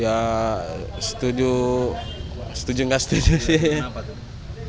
ya setuju setuju nggak setuju sih